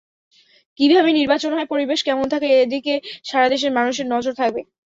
কীভাবে নির্বাচন হয়, পরিবেশ কেমন থাকে—এদিকে সারা দেশের মানুষের নজর থাকবে।